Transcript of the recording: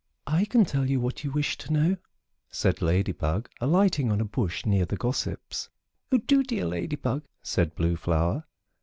"I can tell you what you wish to know," said Lady Bug, alighting on a bush near the gossips. "Oh, do, dear Lady Bug!" said Blue Flower.